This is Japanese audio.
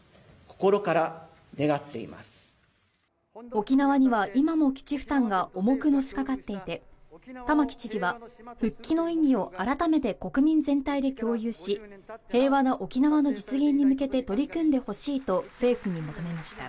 沖縄には今も基地負担が重くのしかかっていて玉城知事は復帰の意義を改めて国民全体で共有し平和な沖縄の実現に向けて取り組んでほしいと政府に求めました。